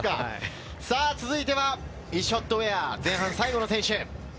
全てはイショッド・ウェア、前半最後の選手。